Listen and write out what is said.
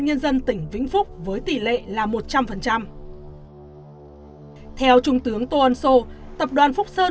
nhân dân tỉnh vĩnh phúc với tỷ lệ là một trăm linh theo trung tướng tô ân sô tập đoàn phúc sơn